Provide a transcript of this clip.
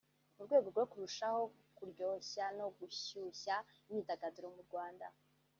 mu rwego rwo kurushaho kuryoshya no gushyushya imyidagaduro mu Rwanda